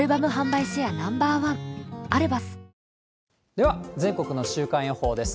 では、全国の週間予報です。